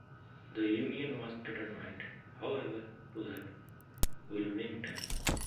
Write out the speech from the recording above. The Union was determined, however, to have Wilmington.